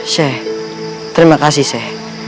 sheikh terima kasih sheikh